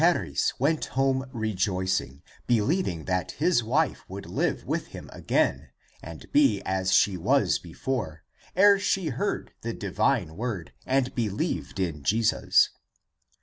Charis went home rejoicing, believing that his wife would live with him again and be as she was before, ere she heard the divine word and believed in Jesus.